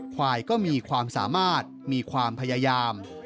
ควายก็มีความสามารถมีความพยายาม